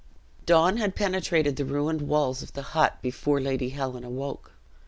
Dawn had penetrated the ruined walls of the hut before Lady Helen awoke.